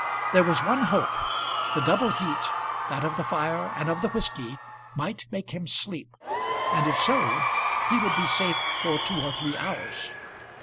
There was one hope; the double heat, that of the fire and of the whisky, might make him sleep; and if so, he would be safe for two or three hours.